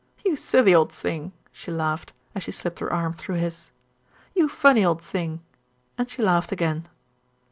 "You silly old thing," she laughed, as she slipped her arm through his. "You funny old thing," and she laughed again.